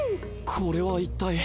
これは一体！？